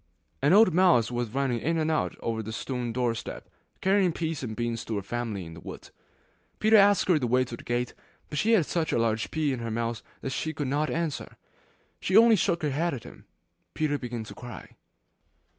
An old mouse was running in and out over the stone doorstep, carrying peas and beans to her family in the wood. Peter asked her the way to the gate, but she had such a large pea in her mouth that she could not answer. She only shook her head at him. Peter began to cry.